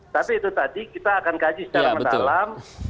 tapi itu tadi kita akan kaji secara mendalam